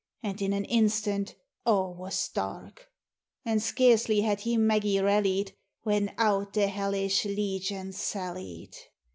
" And in an instant a' was dark ; And scarcely had he Maggie rallied, When out the hellish legion sallied.